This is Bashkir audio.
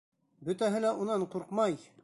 Бөтәһе лә унан ҡурҡмай!